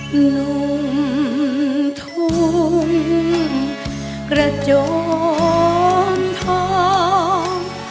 หนุ่มทุ่มกระโจนทอง